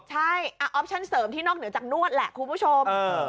ใช่ออปชั่นเสริมที่นอกเหนือจากนวดแหละคุณผู้ชม